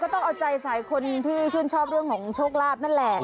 ต้องเอาใจสายคนที่ชื่นชอบเรื่องของโชคลาภนั่นแหละ